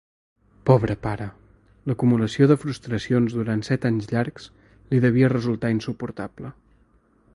Pobre pare, l'acumulació de frustracions durant set anys llargs li devia resultar insuportable.